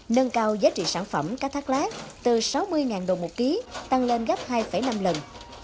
nâng cao giá trị sản phẩm cá thác lát từ sáu mươi đồng một ký tăng lên gấp hai năm lần